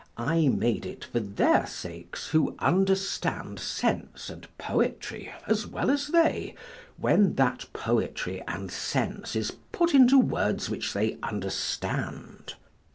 I made it for their sakes who understand sense and poetry as well as they, when that poetry and sense is put into words which they understand.